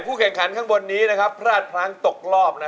ผู้แข่งขันข้างบนนี้นะครับพลาดพร้างตกรอบ